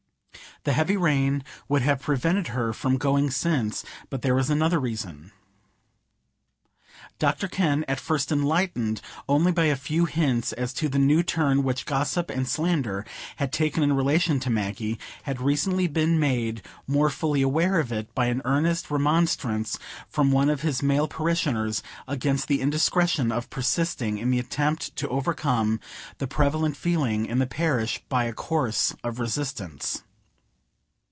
The heavy rain would have prevented her from going since; but there was another reason. Dr Kenn, at first enlightened only by a few hints as to the new turn which gossip and slander had taken in relation to Maggie, had recently been made more fully aware of it by an earnest remonstrance from one of his male parishioners against the indiscretion of persisting in the attempt to overcome the prevalent feeling in the parish by a course of resistance.